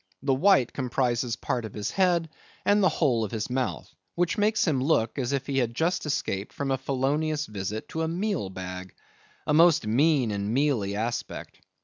The white comprises part of his head, and the whole of his mouth, which makes him look as if he had just escaped from a felonious visit to a meal bag. A most mean and mealy aspect!